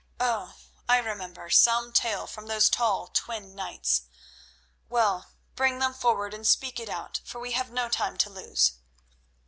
Oh! I remember, some tale from those tall twin knights. Well, bring them forward and speak it out, for we have no time to lose."